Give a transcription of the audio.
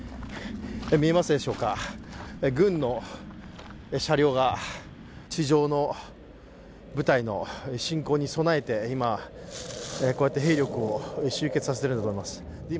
見えますでしょうか軍の車両が地上の部隊の侵攻に備えて、今、こうやって兵力を集結させているんだと思います。